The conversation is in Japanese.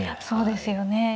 そうですよね。